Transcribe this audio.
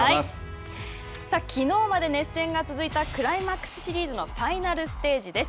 さあ、きのうまで熱戦が続いたクライマックスシリーズのファイナルステージです。